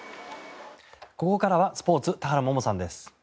ここからはスポーツ田原萌々さんです。